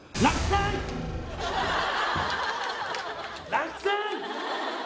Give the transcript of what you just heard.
落選！